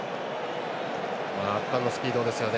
圧巻のスピードですよね。